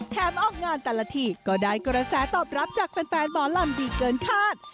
ออกงานแต่ละทีก็ได้กระแสตอบรับจากแฟนหมอลำดีเกินคาด